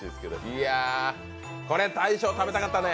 これ、大昇食べたかったね。